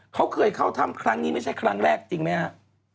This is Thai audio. เขาเคยเข้าถ้ำครั้งนี้ไม่ใช่ครั้งแรกจริงไหมฮะ